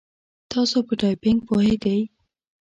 تاسو په ټایپینګ پوهیږئ؟